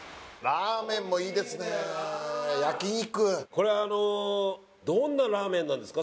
これはあのどんなラーメンなんですか？